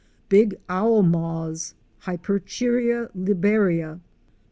Big owl moths (Hyperchiria liberia, H.